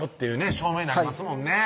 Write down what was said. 証明になりますもんね